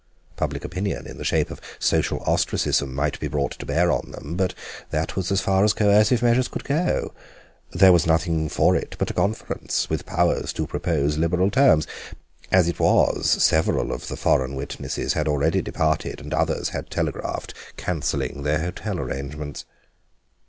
Public opinion in the shape of social ostracism might be brought to bear on them, but that was as far as coercive measures could go. There was nothing for it but a conference, with powers to propose liberal terms. As it was, several of the foreign witnesses had already departed and others had telegraphed cancelling their hotel arrangements.